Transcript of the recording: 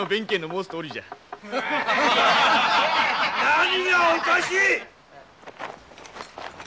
何がおかしい！